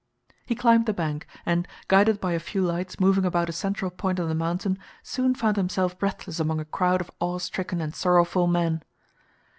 He climbed the bank, and, guided by a few lights moving about a central point on the mountain, soon found himself breathless among a crowd of awe stricken and sorrowful men.